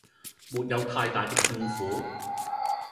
沒有太大的痛苦